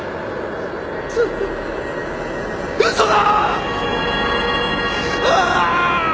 嘘だ！